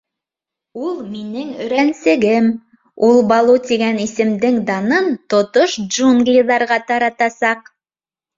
Ул — минең өйрәнсегем, ул Балу тигән исемдең данын тотош джунглиҙарға таратасаҡ.